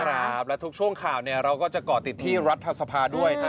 ครับและทุกช่วงข่าวเนี่ยเราก็จะเกาะติดที่รัฐสภาด้วย